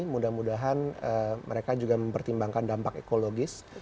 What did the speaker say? mudah mudahan mereka juga mempertimbangkan dampak ekologis